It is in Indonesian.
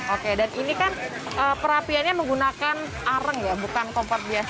oke dan ini kan perapiannya menggunakan arang ya bukan kompor biasa